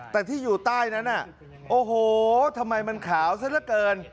แต่ที่อยู่ใต้นั้นทำไมมันขาวซะเธอละเกิน